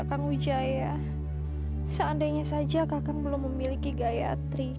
kakak ngujaya seandainya saja kakak belum memiliki gaya trik